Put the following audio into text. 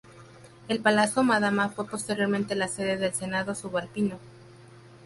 El Palazzo Madama fue posteriormente la sede del Senado Subalpino.